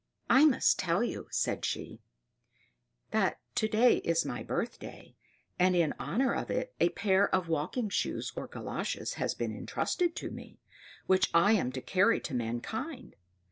"I must tell you," said she, "that to day is my birthday; and in honor of it, a pair of walking shoes or galoshes has been entrusted to me, which I am to carry to mankind.